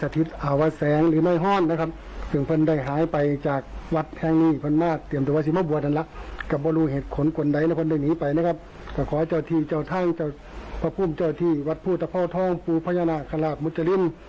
ท่านพระภูมิเจ้าอิทธิวัดผู้ทะพ่อทองปูพญานาคคลาบมุจริง